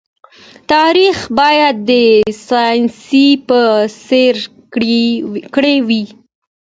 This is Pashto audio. تاريخ بايد د ساينس په څېر کره وي.